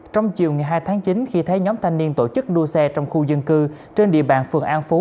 trong chiều ngày hai tháng chín khi thấy nhóm thanh niên tổ chức đua xe trong khu dân cư trên địa bàn phường an phú